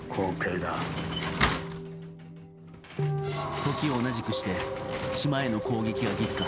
時を同じくして島への攻撃が激化。